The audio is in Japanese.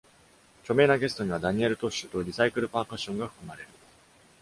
著名なゲストにはダニエル・トッシュとリサイクル・パーカッションが含まれる。